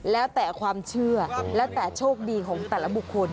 แล้วแต่ความเชื่อแล้วแต่โชคดีของแต่ละบุคคล